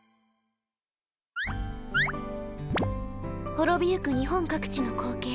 滅びゆく日本各地の光景